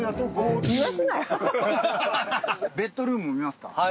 ベッドルームも見ますか。